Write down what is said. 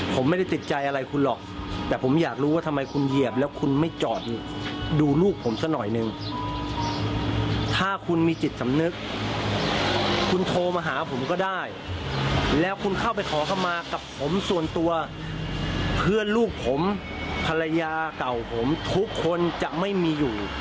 ผมภรรยาเก่าผมทุกคนจะไม่มีอยู่